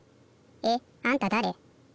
えっあんただれ？